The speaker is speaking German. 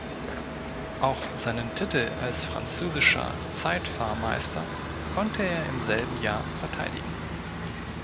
Auch seinen Titel als französischer Zeitfahrmeister konnte er im selben Jahr verteidigen.